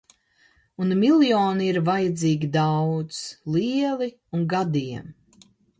Un miljoni ir vajadzīgi daudz, lieli un gadiem...